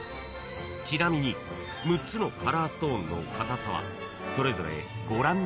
［ちなみに６つのカラーストーンの硬さはそれぞれご覧のとおり］